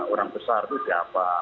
orang besar itu siapa